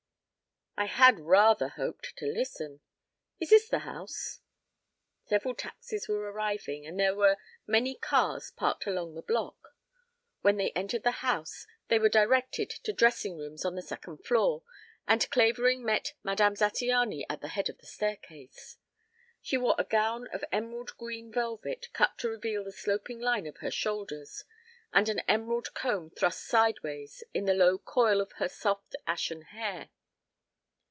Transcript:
"I had rather hoped to listen. Is this the house?" Several taxis were arriving and there were many cars parked along the block. When they entered the house they were directed to dressing rooms on the second floor, and Clavering met Madame Zattiany at the head of the staircase. She wore a gown of emerald green velvet, cut to reveal the sloping line of her shoulders, and an emerald comb thrust sideways in the low coil of her soft ashen hair.